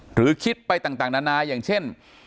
หรือคิดไปต่างนานาอย่างเช่น